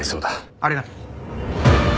ありがとう。